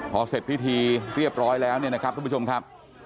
พอเสร็จพิธีเรียบร้อยแล้วเนี่ยนะครับทุกผู้ชมครับ